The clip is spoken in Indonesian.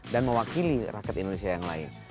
dan mewakili rakyat indonesia yang lain